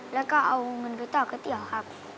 แล้วก็เอาเงินไปต่อก๋วยเตี๋ยวครับ